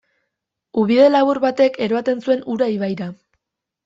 Ubide labur batek eroaten zuen ura ibaira.